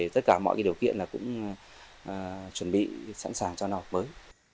tất cả mọi điều kiện cũng chuẩn bị sẵn sàng cho năm học mới